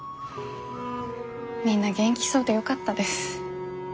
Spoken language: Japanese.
みんな元気そうでよかったです。